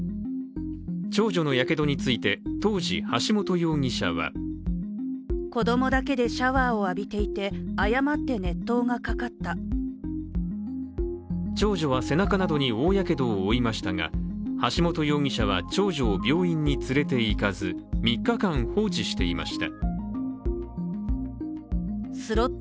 長女のやけどについて当時、橋本容疑者は長女は背中などに大やけどを負いましたが橋本容疑者は長女を病院に連れていかず３日間放置していました。